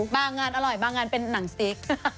บางงานอร่อยบางงานเป็นหนังสติ๊ก